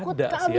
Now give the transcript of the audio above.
takut gak bisa